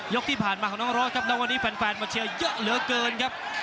ที่ผ่านมาของน้องรถครับณวันนี้แฟนมาเชียร์เยอะเหลือเกินครับ